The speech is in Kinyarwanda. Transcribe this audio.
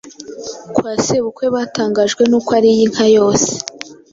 kwa sebukwe batangajwe n’uko ariye inka yose,